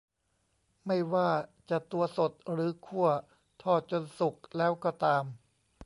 ไม่ว่าจะตัวสด หรือ คั่ว ทอดจนสุกแล้วก็ตาม